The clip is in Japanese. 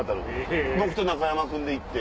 僕と中山君で行って。